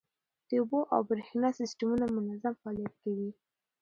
د اوبو او بریښنا سیستمونه منظم فعالیت کوي.